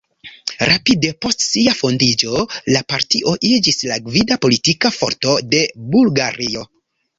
Rapide post sia fondiĝo la partio iĝis la gvida politika forto de Bulgario.